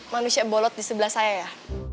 manusia bolot di sebelah saya ya